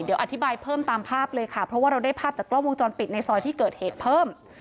เดี๋ยวอธิบายเพิ่มตามภาพเลยค่ะเพราะว่าเราได้ภาพจากกล้องวงจรปิดในซอยที่เกิดเหตุเพิ่ม